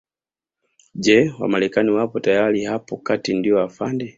Je Wamarekani wapo tayari hapo kati ndio afande